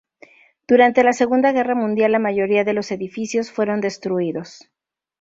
Durante la Segunda Guerra Mundial, la mayoría de los edificios fueron destruidos.